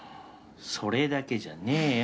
それだけじゃねえよ。